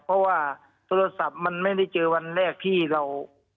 เพราะว่าโทรศัพท์มันไม่ได้เจอวันแรกที่เรา